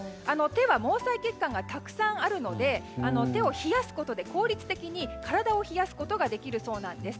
手は毛細血管がたくさんあるので手を冷やすことで効率的に体を冷やすことができるそうなんです。